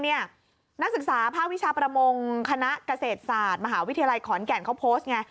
นักศึกษาภาควิชาประมงคณะเกษตรศาสตร์มหาวิทยาลัยขอนแก่นเขาโพสต์ไง